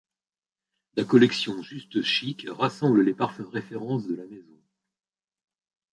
La Collection Juste Chic rassemble les parfums références de la Maison.